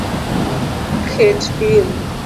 Ket dim